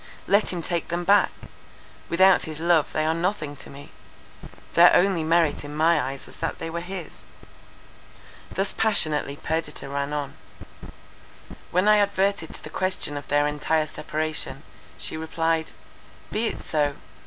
Let him take them back; without his love they are nothing to me. Their only merit in my eyes was that they were his." Thus passionately Perdita ran on. When I adverted to the question of their entire separation, she replied: "Be it so!